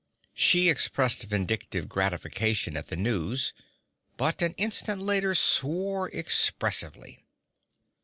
She expressed vindictive gratification at the news, but an instant later swore expressively.